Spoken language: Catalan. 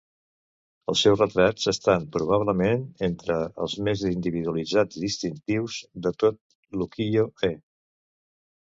Els seus retrats estan probablement entre els més individualitzats i distintius de tot l'ukiyo-e.